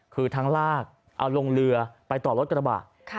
คือทั้งลากเอาลงเรือไปต่อรถกระบะ